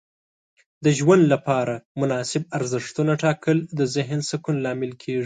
د ژوند لپاره مناسب ارزښتونه ټاکل د ذهن سکون لامل کیږي.